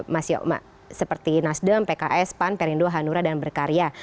mas yohan seperti nasdem pks pan perindu hanura dan berkarya